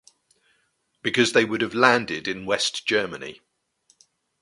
Because they would've landed in West Germany.